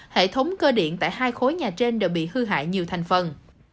hệ thống cơ điện tại hai khối nhà trên đều bị hư hại nhiều thành phần